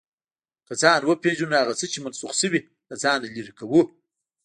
که ځان وپېژنو، هغه څه چې منسوخ شوي، له ځانه لرې کوو.